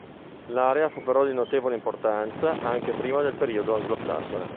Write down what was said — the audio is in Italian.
L'area fu però di notevole importanza anche prima del periodo anglosassone.